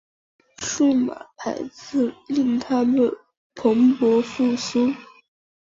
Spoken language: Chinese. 数码排字令它们蓬勃复苏。